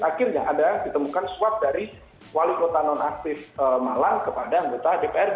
akhirnya ada ditemukan swab dari wali kota nonaktif malang kepada anggota dprd